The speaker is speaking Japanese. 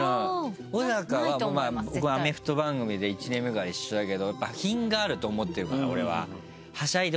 小は僕アメフト番組で１年目から一緒だけど品があると思ってるから俺ははしゃいでほしくない！